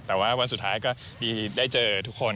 แต่ว่าวันสุดท้ายก็มีได้เจอทุกคน